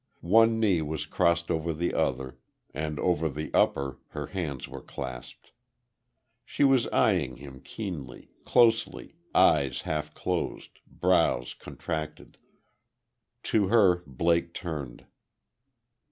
One knee was crossed over the other; and over the upper, her hands were clasped. She was eyeing him keenly, closely, eyes half closed, brows contracted. To her Blake turned.